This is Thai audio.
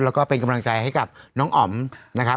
แล้วก็เป็นกำลังใจให้กับน้องอ๋อมนะครับ